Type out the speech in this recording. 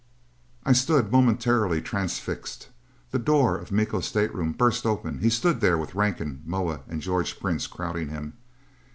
I stood momentarily transfixed. The door of Miko's stateroom burst open. He stood there, with Rankin, Moa and George Prince crowding him.